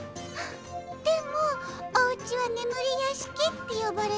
でもおうちは「ねむりやしき」ってよばれるおやしきだし。